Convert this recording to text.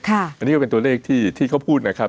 อันนี้ก็เป็นตัวเลขที่เขาพูดนะครับ